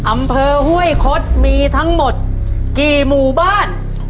อำเภอห้วยคดมีทั้งหมดกี่หมู่บ้าน